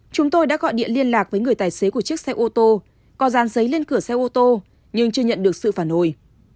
chúng tôi đã gọi điện liên lạc với người tài xế của chiếc xe ô tô có gian giấy lên cửa xe ô tô nhưng chưa nhận được sự phản hồi